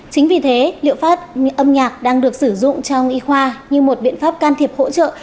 chính vì thế liệu pháp âm nhạc đang được sử dụng trong y khoa như một biện pháp can thiệp hỗ trợ